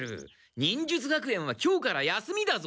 忍術学園は今日から休みだぞ。